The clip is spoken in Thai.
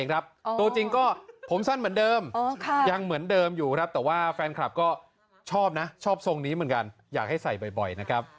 ตัวจริงผมสั้นเหมือนเดิมผมรับส่งสองยากให้ใส่บ่อย